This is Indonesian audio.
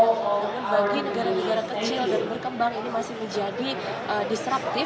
namun bagi negara negara kecil dan berkembang ini masih menjadi disruptif